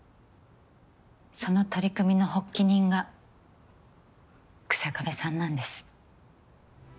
その取り組みの発起人が日下部さんなんです。